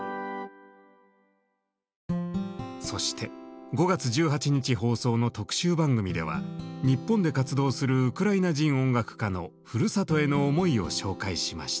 そして５月１８日放送の特集番組では日本で活動するウクライナ人音楽家のふるさとへの思いを紹介しました。